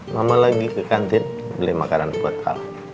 mama lagi ke kantin beli makanan buat al